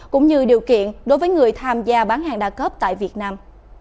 cũng như điều kiện đối với người tham gia bán hàng đa cấp tại việt nam